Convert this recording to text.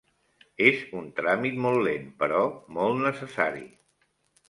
És un tràmit molt lent però molt necessari.